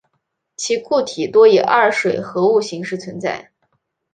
其固体多以二水合物形式存在。